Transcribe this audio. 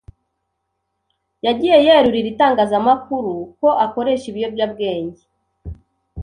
yagiye yerurira itangazamakuru ko akoresha ibiyobyabwenge